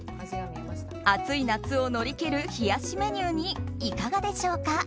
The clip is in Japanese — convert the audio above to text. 暑い夏を乗り切る冷やしメニューにいかがでしょうか？